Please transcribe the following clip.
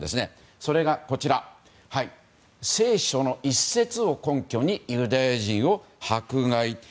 それが、聖書の一節を根拠にユダヤ人を迫害。